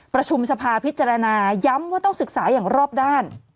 ประชุมสภาพิจารณาย้ำว่าต้องศึกษาอย่างรอบด้าน